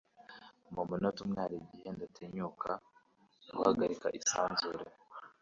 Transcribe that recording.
Mu munota umwe hari igihe Ndatinyuka Guhagarika isanzure?